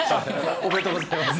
おめでとうございます。